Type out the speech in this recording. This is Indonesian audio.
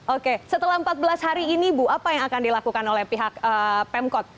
oke setelah empat belas hari ini bu apa yang akan dilakukan oleh pihak pemkot